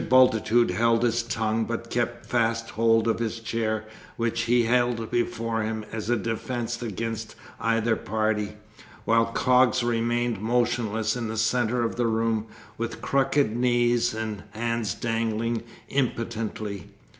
Bultitude held his tongue, but kept fast hold of his chair, which he held before him as a defence against either party, while Coggs remained motionless in the centre of the room, with crooked knees and hands dangling impotently.